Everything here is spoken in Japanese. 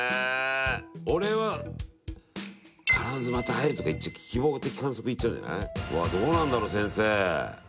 俺は「必ずまた会える」とか言っちゃう希望的観測言っちゃうんじゃない？うわどうなんだろう先生。